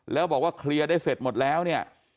แล้วบอกว่าเคลียร์ได้เสร็จหมดแล้วเนี่ย